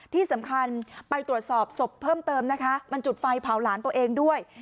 ที่สำคัญไปตรวจสอบศพเพิ่มเติมนะคะมันจุดไฟเผาหลานตัวเองด้วย